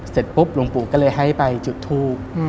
เสร็จปุ๊บหลวงปู่ก็เลยให้ไปจุดทูบ